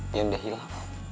nian udah hilang